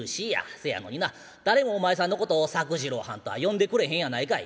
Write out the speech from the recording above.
せやのにな誰もお前さんのことを作次郎はんとは呼んでくれへんやないかい。